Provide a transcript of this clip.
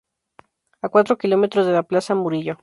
A cuatro kilómetros de la Plaza Murillo.